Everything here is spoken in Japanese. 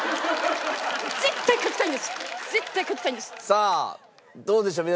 さあどうでしょう？